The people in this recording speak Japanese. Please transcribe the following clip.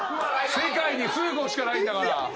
世界に数個しかないんだから。